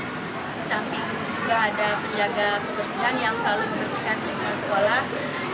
di samping juga ada penjaga kebersihan yang selalu membersihkan lingkungan sekolah